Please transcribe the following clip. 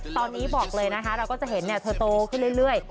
ตอนนี้บอกเลยนะคะเราก็จะเห็นเธอโตขึ้นเรื่อย